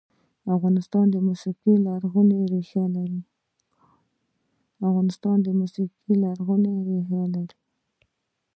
د افغانستان موسیقي لرغونې ریښې لري